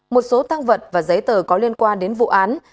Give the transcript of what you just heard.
một số tăng vật và giấy tờ có liên quan đến vụ án